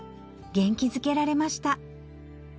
「げんきづけられました」